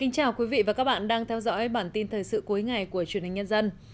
chào mừng quý vị đến với bản tin thời sự cuối ngày của truyền hình nhân dân